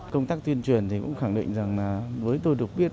công tác tuyên truyền thì cũng khẳng định rằng là với tôi được biết